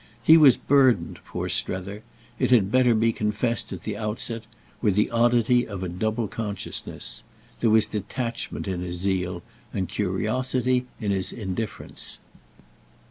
He was burdened, poor Strether—it had better be confessed at the outset—with the oddity of a double consciousness. There was detachment in his zeal and curiosity in his indifference.